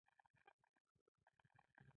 پیلوټ د ستړیا پر وخت هم دقیق فکر کوي.